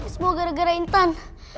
semua gara gara intan